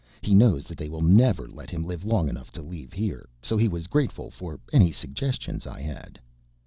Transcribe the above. He knows that they will never let him live long enough to leave here, so he was grateful for any suggestions I had."